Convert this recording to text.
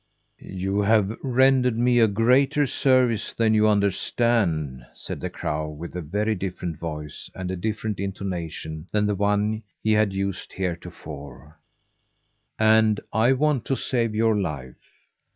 "You have rendered me a greater service than you understand," said the crow with a very different voice, and a different intonation than the one he had used heretofore "and I want to save your life.